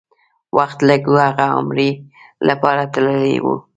وخت لږ و، هغه عمرې لپاره تللی و.